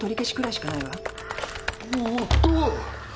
おっと！